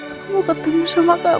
aku mau ketemu sama kamu